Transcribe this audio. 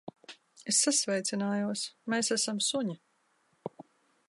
Es sasveicinājos. Mēs esam suņi.